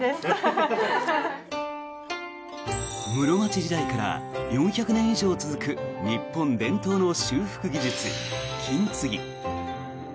室町時代から４００年以上続く日本伝統の修復技術、金継ぎ。